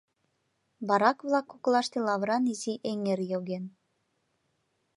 Барак-влак коклаште лавыран изи эҥер йоген.